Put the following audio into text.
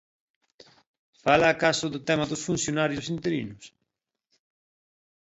¿Fala acaso do tema dos funcionarios interinos?